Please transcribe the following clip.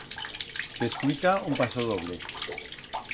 S'escuita un pasodoble.